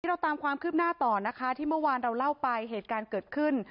เราตามความคืบหน้าต่อนะคะที่เมื่อวานเราเล่าไปเหตุการณ์เกิดขึ้น